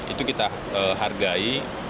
itu kita hargai